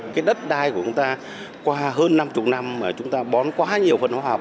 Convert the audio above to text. cái đất đai của chúng ta qua hơn năm mươi năm mà chúng ta bón quá nhiều văn hóa học